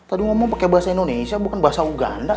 tadi ngomong pakai bahasa indonesia bukan bahasa uganda